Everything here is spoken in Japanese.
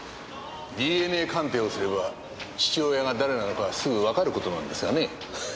ＤＮＡ鑑定をすれば父親が誰なのかすぐわかることなんですがね。